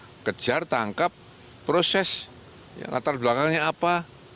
siapa kejar tangkap proses yang atas belakangnya apa